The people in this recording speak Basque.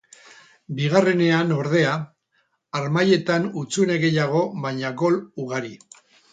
Bigarrenean, ordea, harmailetan hutsune gehiago baina gol ugari.